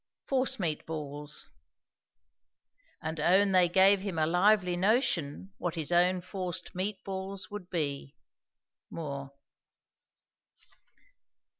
FORCEMEAT BALLS. And own they gave him a lively notion, What his own forced meat balls would be. MOORE.